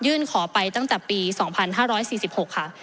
ขอไปตั้งแต่ปี๒๕๔๖ค่ะ